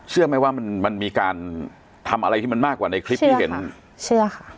เชื่อไหมว่ามันมันมีการทำอะไรที่มันมากกว่าในคลิปที่เห็นเชื่อค่ะ